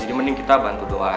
jadi mending kita bantu doa aja